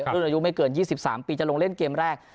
รุ่นอายุไม่เกิน๒๓ปีจะลงเล่นเกมแรก